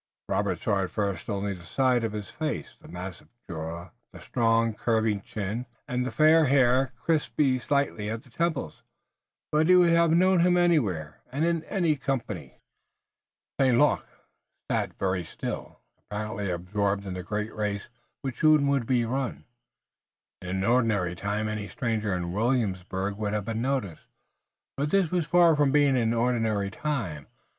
Robert saw at first only the side of his face, the massive jaw, the strong, curving chin, and the fair hair crisping slightly at the temples, but he would have known him anywhere and in any company. St. Luc sat very still, apparently absorbed in the great race which would soon be run. In an ordinary time any stranger in Williamsburg would have been noticed, but this was far from being an ordinary time.